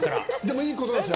いいことですよ。